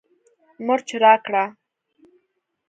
مرچ راکړه